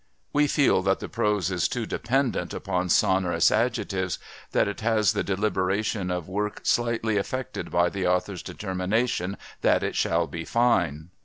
We feel that the prose is too dependent upon sonorous adjectives, that it has the deliberation of work slightly affected by the author's determination that it shall be fine.